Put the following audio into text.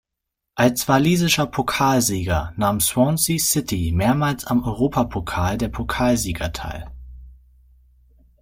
Als walisischer Pokalsieger nahm Swansea City mehrmals am Europapokal der Pokalsieger teil.